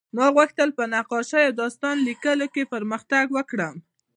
ما غوښتل په نقاشۍ او داستان لیکلو کې پرمختګ وکړم